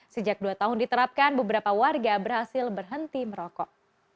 sejak dua tahun diterapkan beberapa warga berhasil berhenti merokok